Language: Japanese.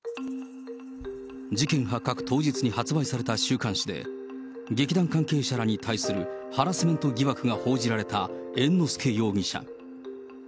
事件発覚当日に発売された週刊誌で、劇団関係者らに対するハラスメント容疑が報じられた猿之助容疑者。